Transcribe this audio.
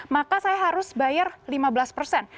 maka saya harus bayar lima belas persen